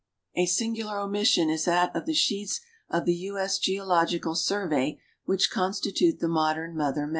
A singidar omission is that of the sheets of theXJ. S. Geological Survey, which constitute the modern mother map.